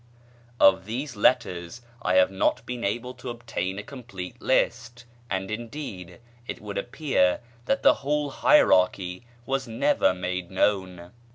Of these "Letters" I have not been able to obtain a complete list, and indeed it would appear that the whole hierarchy was never made known.